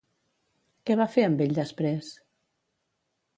Què va fer amb ell després?